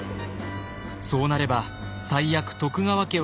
そうなれば最悪徳川家は分裂。